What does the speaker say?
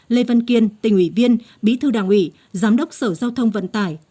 lê văn kiên tỉnh ủy viên bí thư đảng ủy giám đốc sở giao thông vận tải